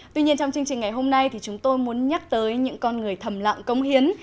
tuy nhiên trong chương trình ngày hôm nay thì chúng tôi muốn nhắc tới những con người thầm lặng công hiến